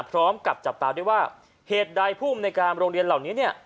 พร้อมกับจับตาด้วยว่าเหตุใดผู้อำนวยการโรงเรียนเหล่านี้เนี่ย